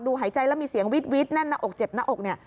หายใจแล้วมีเสียงวิดแน่นหน้าอกเจ็บหน้าอกเนี่ย